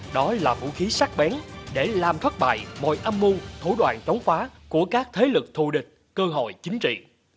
đó là vũ khí sắc bén để làm thất bại mọi âm mưu thủ đoạn chống phá của các thế lực thù địch cơ hội chính trị